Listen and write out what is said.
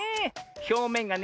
ひょうめんがね